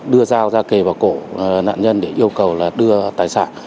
đưa dao ra kề vào cổ nạn nhân để yêu cầu là đưa tài sản